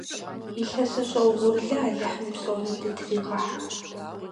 Илъэсыщӏэ угъурлы алыхьым псори дытыригъыхьэ!